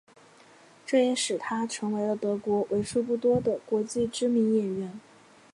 这也使他成为了德国为数不多的国际知名的演员。